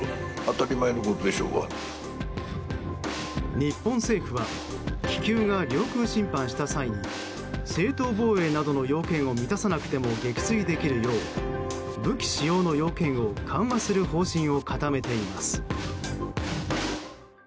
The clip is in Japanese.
日本政府は気球が領空侵犯した際に正当防衛などの要件を満たさなくても撃墜できるよう武器使用の要件を緩和する方針を固めています。